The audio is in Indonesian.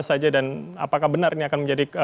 saja dan apakah benar ini akan menjadi